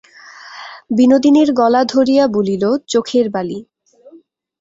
বিনোদিনীর গলা ধরিয়া বলিল, চোখের বালি।